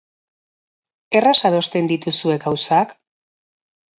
Erraz adosten dituzue gauzak?